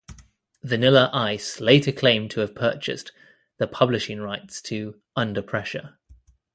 Vanilla Ice later claimed to have purchased the publishing rights to "Under Pressure".